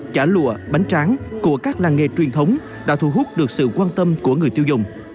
chả lụa bánh tráng của các làng nghề truyền thống đã thu hút được sự quan tâm của người tiêu dùng